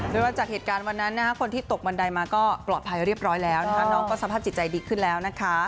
โดยว่าจะเห็นการวันคนที่ตกบันไดมาก็ปลอดภัยเรียบร้อยแล้ว